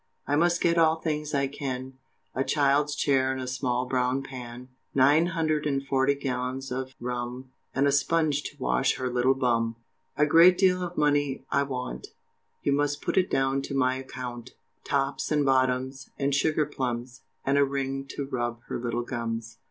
I must get all things I can, A child's chair and a small brown pan, Nine hundred and forty gallons of rum, And a sponge to wash her little bum. A great deal of money I want, You must put it down to my account, Tops and bottoms, and sugar plums, And a ring to rub her little gums.